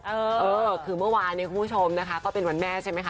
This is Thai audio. เออคือเมื่อวานเนี่ยคุณผู้ชมนะคะก็เป็นวันแม่ใช่ไหมคะ